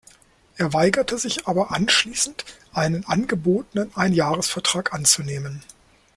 Er weigerte sich aber anschließend einen angebotenen Ein-Jahres-Vertrag anzunehmen.